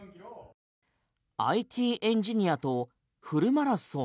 ＩＴエンジニアとフルマラソン